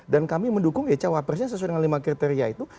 dan kami mendukung ya cawapresnya sesuai dengan lima kriteria itu